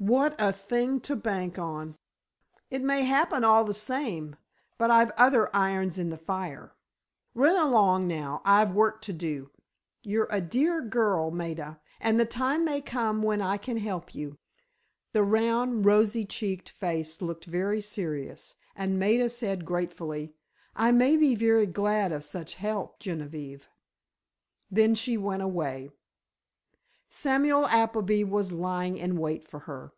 "What a thing to bank on!" "It may happen all the same. But I've other irons in the fire. Run along, now; I've work to do. You're a dear girl, Maida, and the time may come when I can help you." The round, rosy cheeked face looked very serious, and Maida said, gratefully: "I may be very glad of such help, Genevieve." Then she went away. Samuel Appleby was lying in wait for her.